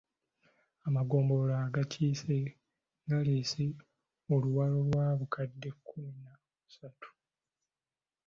Amagombolola agakiise galeese oluwalo lwa bukadde kkumi na busatu.